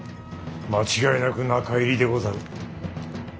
間違いなく中入りでござる。